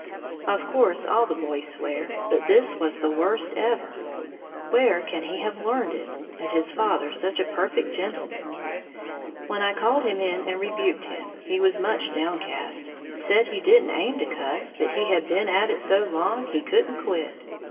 Of course all the boys swear; but this was the worst ever. Where can he have learned it, and his father such a perfect gentleman? When I called him in and rebuked him, he was much downcast, said he didn't aim to cuss, but he had been at it so long he couldn't quit.